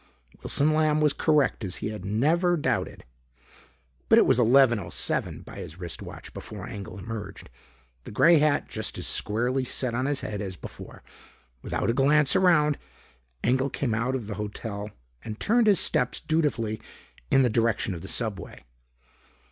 Wilson Lamb was correct as he had never doubted. But it was 11:07 by his wrist watch before Engel emerged. The gray hat just as squarely set on his head as before, without a glance around, Engel came out of the hotel and turned his steps dutifully in the direction of the subway.